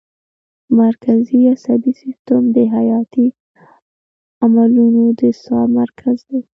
مرکزي عصبي سیستم د حیاتي عملونو د څار مرکز دی